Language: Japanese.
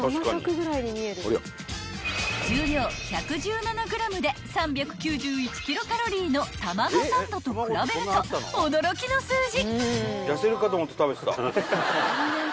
［重量１１７ｇで３９１キロカロリーのたまごサンドと比べると驚きの数字］